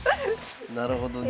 なるほどね。